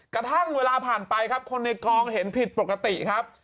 กระทั่งเวลาผ่านไปครับคนในกองเห็นผิดปกติครับ